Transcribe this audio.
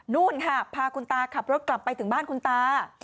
นู่นค่ะพาคุณตาขับรถกลับไปถึงบ้านคุณตา